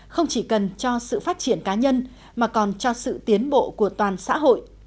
không chỉ cần cho sự phát triển cá nhân mà còn cho sự tiến bộ của toàn xã hội